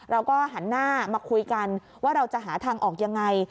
เราก็หันหน้ามาคุยกันว่าเราจะหาทางออกยังไง